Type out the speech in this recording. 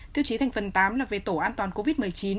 tiêu chí thành phần tám là về tổ an toàn covid một mươi chín